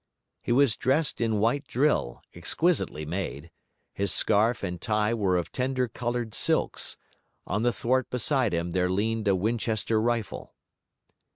He was dressed in white drill, exquisitely made; his scarf and tie were of tender coloured silks; on the thwart beside him there leaned a Winchester rifle.